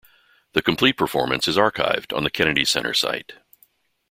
The complete performance is archived on the Kennedy Center site.